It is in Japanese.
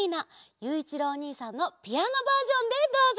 ゆういちろうおにいさんのピアノバージョンでどうぞ！